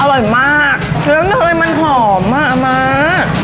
อร่อยมากเครื่องเนยมันหอมมากมาก